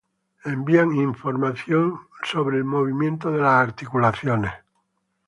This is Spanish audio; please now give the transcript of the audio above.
Envían información acerca del movimiento de las articulaciones.